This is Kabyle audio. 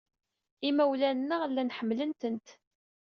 Imawlan-nneɣ llan ḥemmlen-tent.